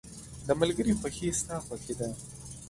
• د ملګري خوښي ستا خوښي ده.